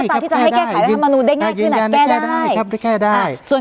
การแสดงความคิดเห็น